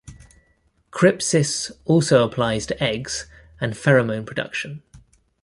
Crypsis also applies to eggs and pheromone production.